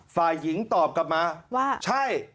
ฝ่ายหญิงตอบกลับมาว่าใช่